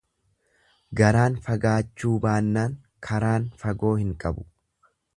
Garaan fagaachuu baannaan karaan fagoo hin qabu.